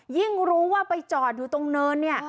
ยิ่งรู้ว่าไปจอดอยู่ตรงเนินเนี่ย